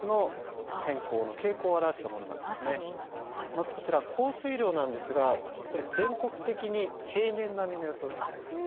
まずこちら降水量なんですがこれ全国的に平年並みの予想になってます。